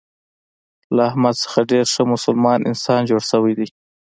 له احمد نه ډېر ښه مسلمان انسان جوړ شوی دی.